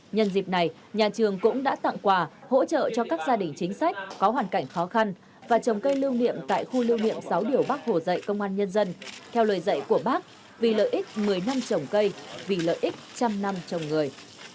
nhân dịp này nhà trường cũng đã tặng quà hỗ trợ cho các gia đình chính sách có hoàn cảnh khó khăn và trồng cây lưu niệm tại khu lưu niệm sáu điều bác hồ dạy công an nhân dân theo lời dạy của bác vì lợi ích một mươi năm trồng cây vì lợi ích trăm năm trồng người